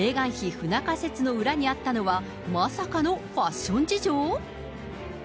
不仲説の裏にあったのは、まさかのファッション事情？